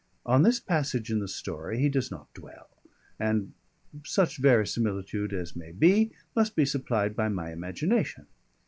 On this passage in the story he does not dwell, and such verisimilitude as may be, must be supplied by my imagination.